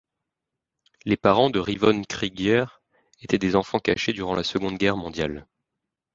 Les parents de Rivon Krygier étaient des enfants cachés durant la Seconde Guerre mondiale.